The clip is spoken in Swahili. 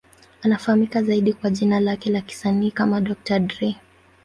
Anafahamika zaidi kwa jina lake la kisanii kama Dr. Dre.